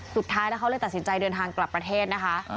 สุดท้ายแล้วเขาเลยตัดสินใจเดินทางกลับประเทศนะคะ